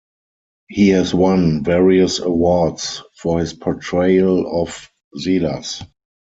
He has won various awards for his portrayal of Silas.